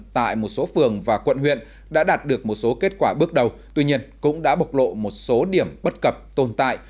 tại một số phường và quận huyện đã đạt được một số kết quả bước đầu tuy nhiên cũng đã bộc lộ một số điểm bất cập tồn tại